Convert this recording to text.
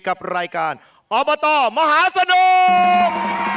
กับรายการอบตมหาสนุก